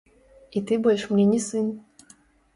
І ты больш мне не сын.